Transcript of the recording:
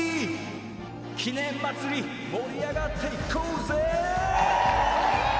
記念まつり盛り上がっていこうぜえ！